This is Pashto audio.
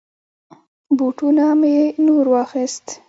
بوټونه می نور واخيست.